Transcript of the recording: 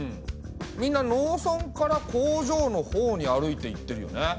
みんな農村から工場のほうに歩いていってるよね。